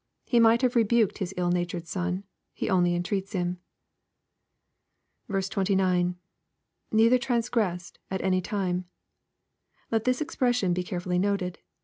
He might have rebuked bis ill natured son. He only entreats him. 29. — [Neither trcLnsgre88ed...at any time.] Let this expression be carefully noted.